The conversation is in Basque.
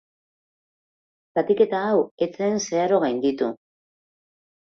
Zatiketa hau ez zen zeharo gainditu.